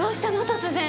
突然。